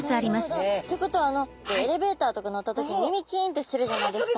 なるほど！ってことはあのエレベーターとか乗った時に耳キンってするじゃないですか。